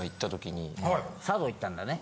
佐渡行ったんだね？